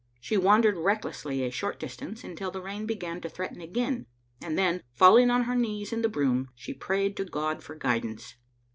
She wandered recklessly a short dis tance, until the rain began to threaten again, and then, falling on her knees in the broom, she prayed to God for guidance.